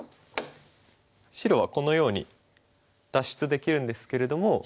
白はこのように脱出できるんですけれども。